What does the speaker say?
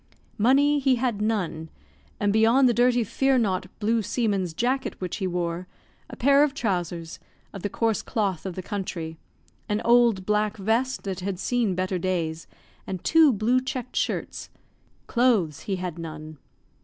Money he had none; and, beyond the dirty fearnought blue seaman's jacket which he wore, a pair of trousers of the coarse cloth of the country, an old black vest that had seen better days, and two blue checked shirts, clothes he had none.